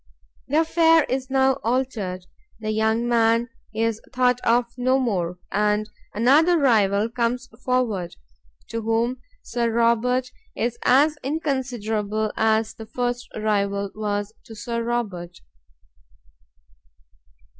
The affair is now altered, that young man is thought of no more, and another rival comes forward, to whom Sir Robert is as inconsiderable as the first rival was to Sir Robert."